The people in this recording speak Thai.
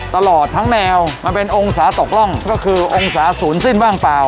ตลอดทั้งแนวมันเป็นองศาตกร่องก็คือองศาศูนย์สิ้นบ้างเปล่า